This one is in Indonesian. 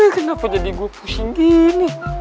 kenapa jadi gue pusing gini